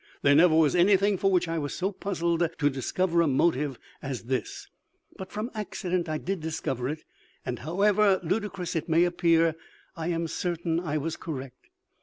There never was anything for which I was so puzzled to discover a motive as this, but from accident I did discover it; and, however ludicrous it may appear, I am certain I was correct.